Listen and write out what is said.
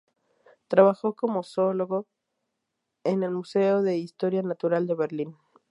Trabajó como zoólogo en el "Museo de Historia Natural de Berlín".